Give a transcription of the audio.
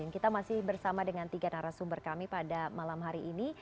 kita masih bersama dengan tiga narasumber kami pada malam hari ini